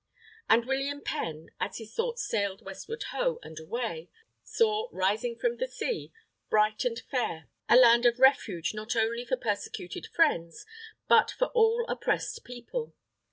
And William Penn, as his thoughts sailed westward ho, and away! saw, rising from the sea, bright and fair, a land of refuge not only for persecuted Friends, but for all oppressed people.